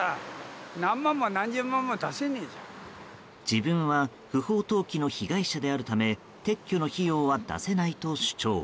自分は不法投棄の被害者であるため撤去の費用は出せないと主張。